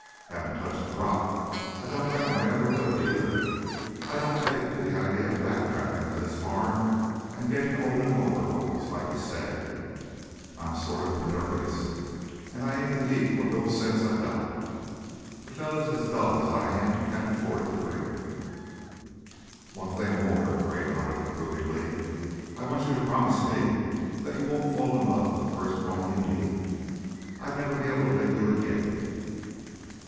"Haven't touched a drop. I don't reckon I ever will, either. I don't take to the idea of back trackin' to this farm an' gettin' old in overalls, like you say. I'm sort of penurious an' I aim to keep what little sense I got. A feller as dull as I am can't afford to drink." "One thing more." Gray nodded approvingly. "I want you to promise me that you won't fall in love with the first woman you meet. I'd never be able to lick you again."